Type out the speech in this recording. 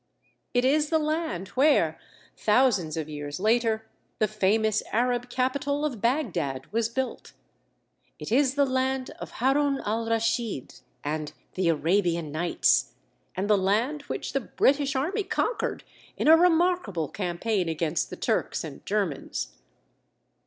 It is the land where, thousands of years later, the famous Arab capital of Bagdad was built; it is the land of Harun al Raschid and the "Arabian Nights," and the land which the British Army conquered in a remarkable campaign against the Turks and Germans.